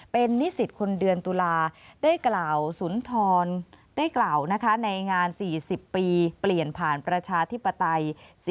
เป็นนิสิทธิ์คนเดือนตุลาได้กล่าวศุนธรณ์ในงาน๔๐ปีเปลี่ยนผ่านประชาธิปไตย